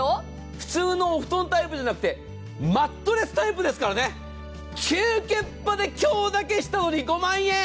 普通のお布団タイプじゃなくてマットレスタイプですからね、キュウキュッパで今日だけ下取り５万円。